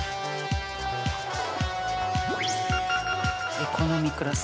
エコノミークラス。